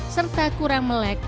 serta kurang melengkapi